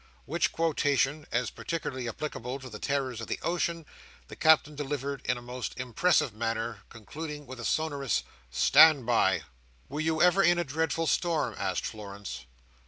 '" Which quotation, as particularly applicable to the terrors of the ocean, the Captain delivered in a most impressive manner, concluding with a sonorous "Stand by!" "Were you ever in a dreadful storm?" asked Florence.